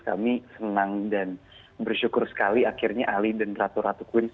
kami senang dan bersyukur sekali akhirnya ali dan ratu ratu queens